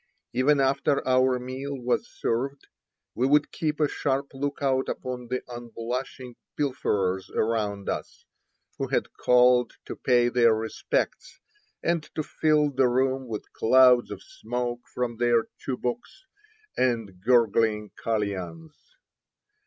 Even after our meal was served, we would keep a sharp lookout upon the unblushing pilferers around us, who had called to pay their respects, and to fill the room with clouds of smoke from their chibouks and gurgling kalians.